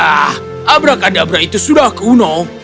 ah abrakadabra itu sudah kuno